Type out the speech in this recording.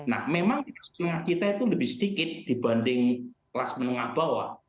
nah memang kelas menengah kita itu lebih sedikit dibanding kelas menengah bawah